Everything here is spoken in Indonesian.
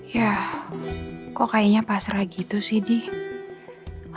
yah kok kayaknya pasrah gitu sih dih